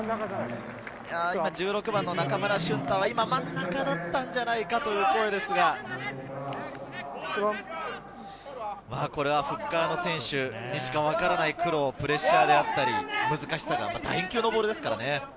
１６番の中村駿太は、今、真ん中だったんじゃないかという声ですが、これはフッカーの選手しかわからない苦労、プレッシャーであったり難しさ、楕円球のボールですからね。